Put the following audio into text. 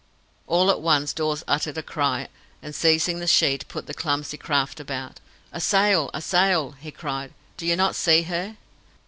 All at once Dawes uttered a cry, and, seizing the sheet, put the clumsy craft about. "A sail! a sail!" he cried. "Do you not see her?"